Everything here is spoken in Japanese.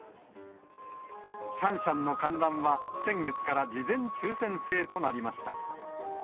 シャンシャンの観覧は、先月から事前抽せん制となりました。